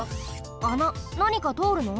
穴なにかとおるの？